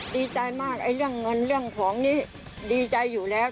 ดีใจมากเรื่องเงินเรื่องของนี้ดีใจอยู่แล้ว